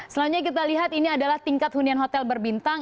selanjutnya kita lihat ini adalah tingkat hunian hotel berbintang